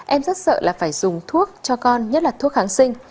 em rất sợ là phải dùng thuốc cho con nhất là thuốc kháng sinh